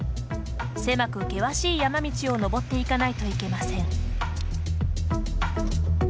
狭く険しい山道をのぼっていかないといけません。